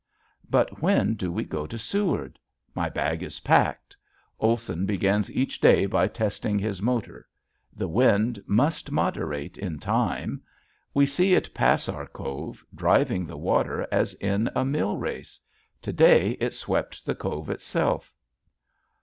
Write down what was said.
But when do we go to Seward? My bag is packed. Olson begins each day by testing his motor. The wind must moderate in time. We see it pass our cove driving the water as in a mill race. To day it swept the cove itself.